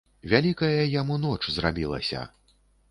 Вялікая яму ноч зрабілася.